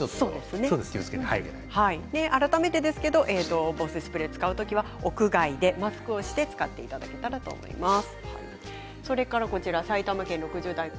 改めて防水スプレーを使うときは屋外でマスクをして使っていただけたらと思います。